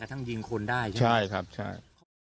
ทั้งยิงคนได้ใช่ไหมใช่ครับใช่